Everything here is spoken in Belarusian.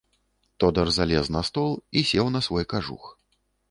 Тодар залез за стол і сеў на свой кажух.